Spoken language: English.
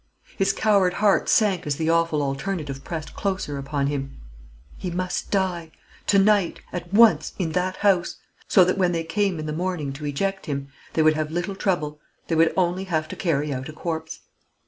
His coward heart sank as the awful alternative pressed closer upon him. He must die! to night, at once, in that house; so that when they came in the morning to eject him, they would have little trouble; they would only have to carry out a corpse.